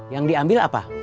yang diambil apa